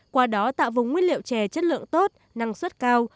qua đó tạo vùng nguyên liệu chè chất lượng tốt năng suất cao